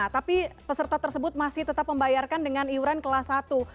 tapi peserta tersebut masih tetap membayarkan dengan iuran kelas satu